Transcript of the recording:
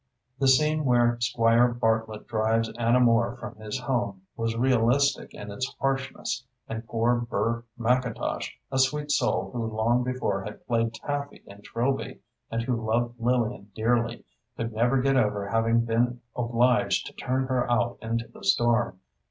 The scene where Squire Bartlett drives Anna Moore from his home, was realistic in its harshness, and poor Burr McIntosh, a sweet soul who long before had played Taffy in "Trilby," and who loved Lillian dearly, could never get over having been obliged to turn her out into the storm.